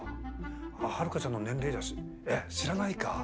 ハルカちゃんの年齢じゃえっ知らないか。